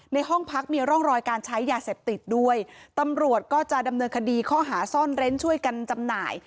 ห้องพักมีร่องรอยการใช้ยาเสพติดด้วยตำรวจก็จะดำเนินคดีข้อหาซ่อนเร้นช่วยกันจำหน่าย